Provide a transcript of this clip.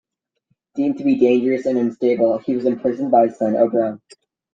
Deemed to be dangerous and unstable, he was imprisoned by his son, Oberon.